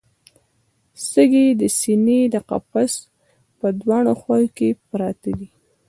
سږي د سینې د قفس په دواړو خواوو کې پراته دي